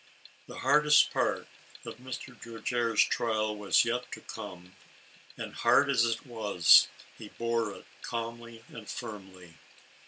The hardest part of 'Mr. Dojere's trial was yet to come, and, hard as it was, he bore it calmly and firmly.